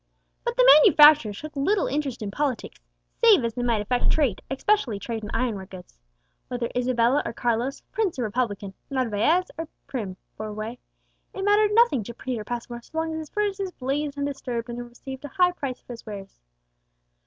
But the manufacturer took little interest in politics, save as they might affect trade, especially trade in ironware goods. Whether Isabella or Carlos, prince or republican, Narvaez or Prim bore sway, it mattered nothing to Peter Passmore, so long as his furnaces blazed undisturbed, and he received a high price for his wares.